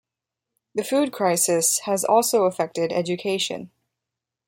The food crisis has also affected education.